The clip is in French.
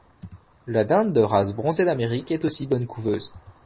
La dinde de race Bronzé d'Amérique est aussi bonne couveuse.